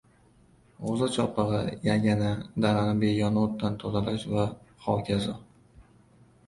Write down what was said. g‘o‘za chopig‘i, yagana, dalani begona o‘tdan tozalash va hokazo…